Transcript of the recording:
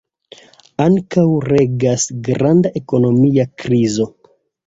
Ankaŭ regas granda ekonomia krizo.